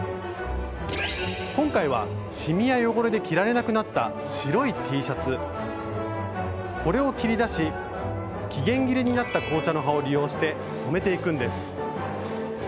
今回はシミや汚れで着られなくなったこれを切り出し期限切れになった紅茶の葉を利用して染めていくんです。